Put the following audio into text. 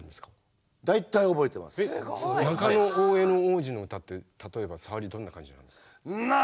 中大兄皇子の歌って例えばさわりどんな感じなんですか？